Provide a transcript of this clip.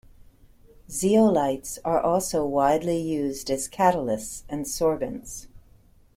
Zeolites are also widely used as catalysts and sorbents.